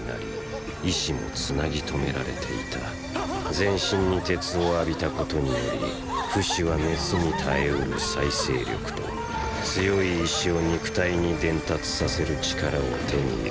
全身に鉄を浴びたことによりフシは熱に耐えうる再生力と強い意志を肉体に伝達させる力を手に入れた。